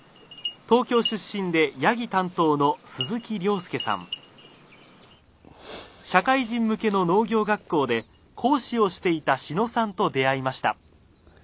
東京出身でヤギ担当の社会人向けの農業学校で講師をしていた志野さんと出会いました。